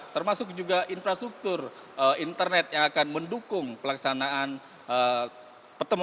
termasuk juga infrastruktur internet yang akan mendukung pelaksanaan pertemuan